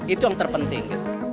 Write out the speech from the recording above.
itu yang terpenting